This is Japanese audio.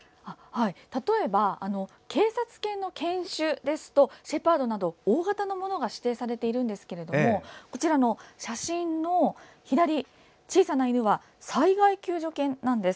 例えば警察犬の研修ですとシェパードなど大型のものが指定されているんですが写真の左、小さな犬は災害救助犬なんです。